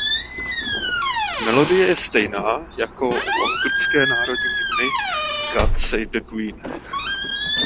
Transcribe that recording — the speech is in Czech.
Melodie je stejná jako u anglické národní hymny God Save the Queen.